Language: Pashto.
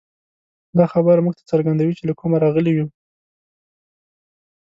دا خبره موږ ته څرګندوي، چې له کومه راغلي یو.